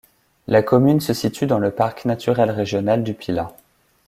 La commune se situe dans le parc naturel régional du Pilat.